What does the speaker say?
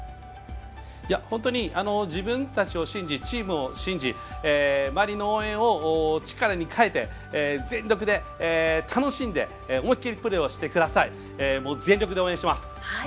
自分たちを信じチームを信じ周りの応援を力に変えて全力で楽しんで思い切りプレーをしてください。